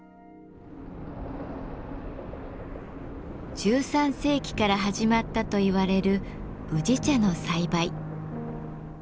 １３世紀から始まったといわれる宇治茶の栽培。